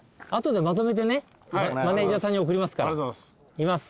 いきます。